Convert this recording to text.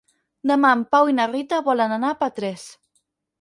Demà en Pau i na Rita volen anar a Petrés.